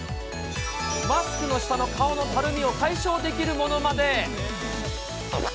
マスクの下の顔のたるみを解消できるものまで。